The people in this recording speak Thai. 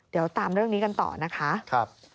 เดี๋ยวตามเรื่องนี้กันต่อนะคะ